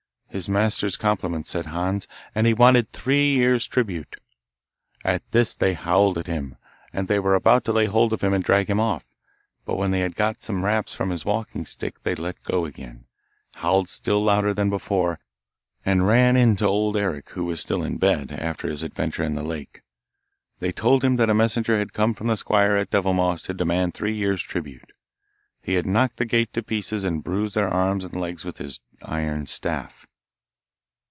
His master's compliments, said Hans, and he wanted three years' tribute. At this they howled at him, and were about to lay hold of him and drag him off; but when they had got some raps from his walking stick they let go again, howled still louder than before, and ran in to Old Eric, who was still in bed, after his adventure in the lake. They told him that a messenger had come from the squire at Devilmoss to demand three years' tribute. He had knocked the gate to pieces and bruised their arms and legs with his iron staff.